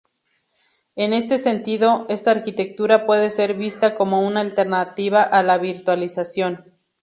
En este sentido, esta arquitectura puede ser vista como una alternativa a la virtualización.